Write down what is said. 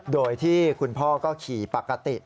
โดยที่คุณพ่อก็ขี่ปกติ